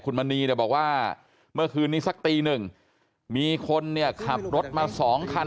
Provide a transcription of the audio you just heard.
มณีเนี่ยบอกว่าเมื่อคืนนี้สักตีหนึ่งมีคนเนี่ยขับรถมา๒คัน